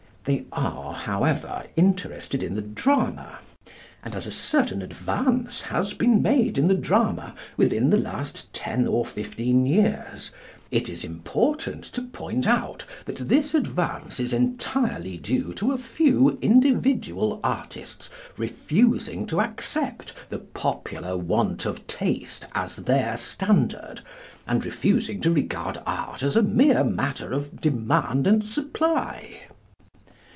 They are, however, interested in the drama, and as a certain advance has been made in the drama within the last ten or fifteen years, it is important to point out that this advance is entirely due to a few individual artists refusing to accept the popular want of taste as their standard, and refusing to regard Art as a mere matter of demand and supply.